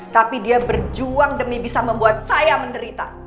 tapi dia berjuang demi bisa membuat saya menderita